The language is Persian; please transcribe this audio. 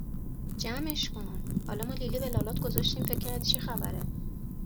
جمع اش کن، حالا ما لی لی به لالات گذاشتیم، فکر کردی چه خبره؟